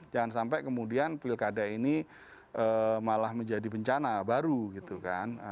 jangan sampai kemudian pilkada ini malah menjadi bencana baru gitu kan